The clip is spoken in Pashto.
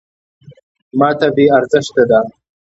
.ماته بې ارزښته دی .